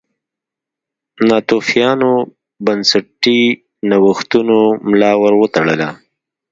ناتوفیانو بنسټي نوښتونو ملا ور وتړله.